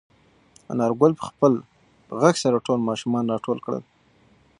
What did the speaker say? انارګل په خپل غږ سره ټول ماشومان راټول کړل.